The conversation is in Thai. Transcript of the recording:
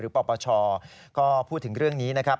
ปปชก็พูดถึงเรื่องนี้นะครับ